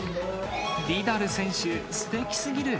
ディダル選手、すてきすぎる。